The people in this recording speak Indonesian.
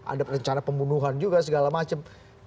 ada rencana pembunuhan juga segala macam